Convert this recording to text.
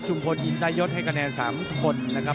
พลอินตายศให้คะแนน๓คนนะครับ